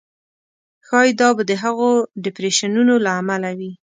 ښایي دا به د هغو ډېپریشنونو له امله وي.